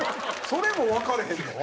それもわかれへんの？